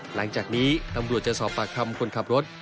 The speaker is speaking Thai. หลังจากนี้ตำรวจจะสอบปากคำคนขับรถ